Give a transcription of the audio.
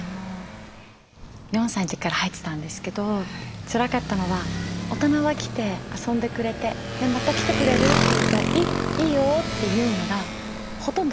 ４歳の時から入ってたんですけどつらかったのは大人が来て遊んでくれて「また来てくれる？」って言うと「いいよ」って言うのがほとんど来ないんですよ。